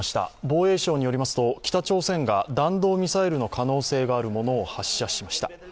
防衛省によりますと北朝鮮が弾道ミサイルの可能性があるものを発射しました。